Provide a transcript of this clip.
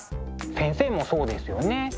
先生もそうですよね。